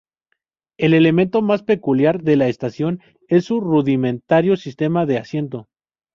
El elemento más peculiar de la estación es su rudimentario sistema de asiento.